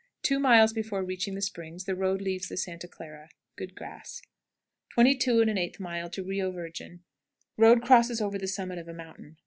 Two miles before reaching the springs the road leaves the Santa Clara. Good grass. 22 7/8. Rio Virgin. Road crosses over the summit of a mountain.